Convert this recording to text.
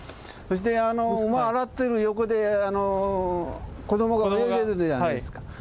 そしてあの馬洗ってる横で子どもが泳いでるじゃないですか。